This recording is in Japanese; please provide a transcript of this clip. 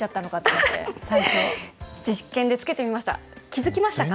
実験でつけてみました。